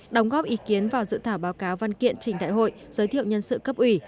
đóng góp ý kiến vào dự thảo báo cáo văn kiện trình đại hội giới thiệu nhân sự cấp ủy